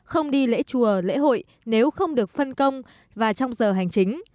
không đi lễ chùa lễ hội nếu không được phân công và trong giờ hành chính